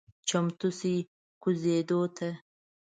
چمتو شئ کوزیدو ته…